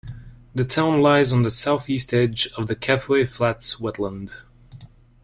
The town lies on the south east edge of the Kafue Flats wetland.